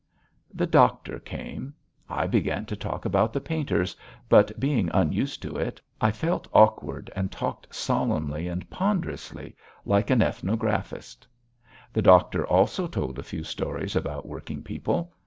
The doctor came. I began to talk about the painters, but, being unused to it, I felt awkward and talked solemnly and ponderously like an ethnographist. The doctor also told a few stories about working people.